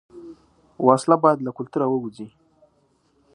وسله باید له کلتوره ووځي